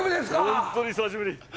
本当に久しぶり。